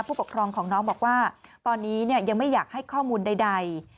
ผู้ปกครองของน้องบอกว่าตอนนี้ยังไม่อยากให้ข้อมูลใด